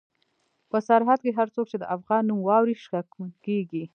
په سرحد کې هر څوک چې د افغان نوم واوري شکمن کېږي.